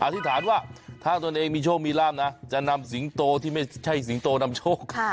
ธิษฐานว่าถ้าตนเองมีโชคมีลาบนะจะนำสิงโตที่ไม่ใช่สิงโตนำโชค